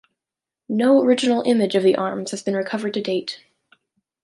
No original image of the arms has been recovered to date.